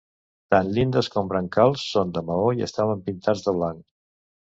Tant llindes com brancals són de maó i estaven pintats de blanc.